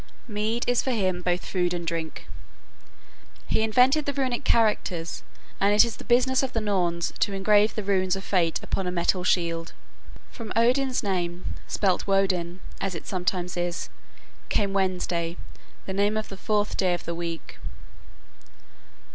Mead is for him both food and drink. He invented the Runic characters, and it is the business of the Norns to engrave the runes of fate upon a metal shield. From Odin's name, spelt Woden, as it sometimes is, came Wednesday, the name of the fourth day of the week.